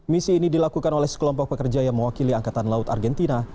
misi ini dilakukan oleh sekelompok pekerja yang mewakili angkatan laut argentina